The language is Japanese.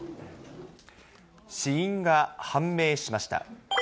死因が判明しました。